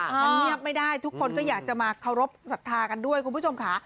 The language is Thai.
มันเงียบไม่ได้ทุกคนก็อยากจะมาเคารพสัทธากันด้วยคุณผู้ชมค่ะ